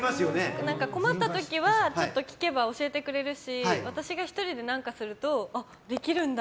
困った時はちょっと聞けば教えてくれるし私が１人で何かするとできるんだ！